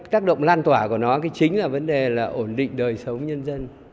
các động lan tỏa của nó chính là vấn đề ổn định đời sống nhân dân